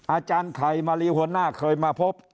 อาจารย์ไข่มารีหัวหน้าเคยมาพบ